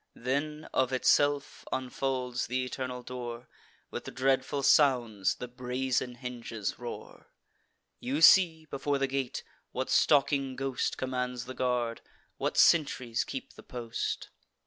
Then, of itself, unfolds th' eternal door; With dreadful sounds the brazen hinges roar. You see, before the gate, what stalking ghost Commands the guard, what sentries keep the post.